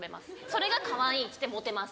それがかわいいってモテます。